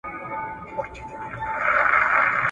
په لومړي ځل تجربه د انسان په بدن کې ترسره شوه.